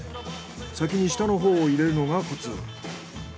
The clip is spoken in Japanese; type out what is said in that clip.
先に下のほうを入れるのがコツ。